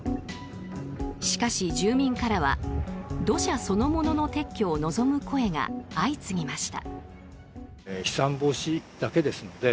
しかし、住民からは土砂そのものの撤去を望む声が相次ぎました。